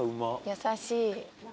優しい。